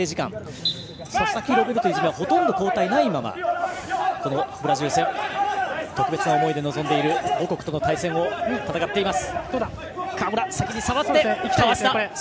泉はほとんど交代がないままこのブラジル戦特別な思いで臨んでいる母国との対戦を戦います。